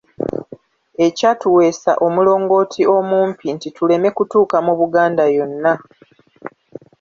Ekyatuweesa omulongooti omumpi nti tuleme kutuuka mu Buganda yonna.